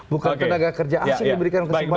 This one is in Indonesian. bukan tenaga kerja asing diberikan kesempatan